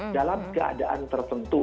dalam keadaan tertentu